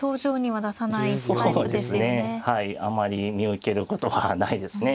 はいあまり見受けることはないですね。